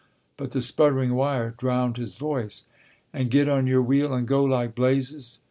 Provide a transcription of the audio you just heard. But the sputtering wire drowned his voice. "And get on your wheel and go like blazes.